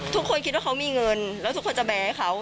ทุกคนคิดว่าเขามีเงินแล้วทุกคนจะแบร์เขา